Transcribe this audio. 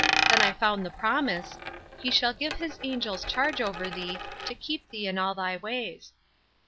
Then I found the promise, ' He shall give his angels charge over thee, to keep thee in all thy ways.'